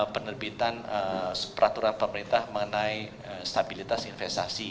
penerbitan peraturan pemerintah mengenai stabilitas investasi